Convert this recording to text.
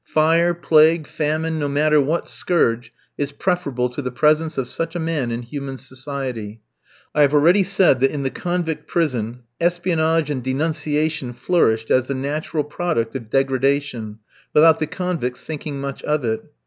Fire, plague, famine, no matter what scourge, is preferable to the presence of such a man in human society. I have already said that in the convict prison espionage and denunciation flourished as the natural product of degradation, without the convicts thinking much of it.